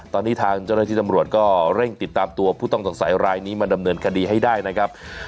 ตอนนี้ทางเจ้าหน้าที่ตำรวจเร่งติดตามตัวผู้ต้องอากศักดิ์สารอายุมาดำเนินคดีให้ได้นะคะ